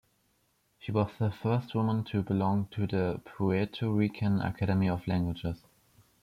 She was the first woman to belong to the Puerto Rican Academy of Languages.